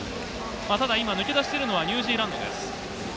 ただ、今、抜け出しているのがニュージーランドです。